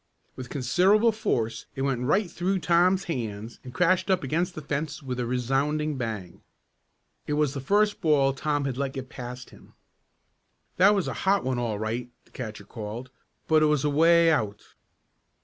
With considerable force it went right through Tom's hands and crashed up against the fence with a resounding bang. It was the first ball Tom had let get past him. "That was a hot one all right!" the catcher called, "but it was away out."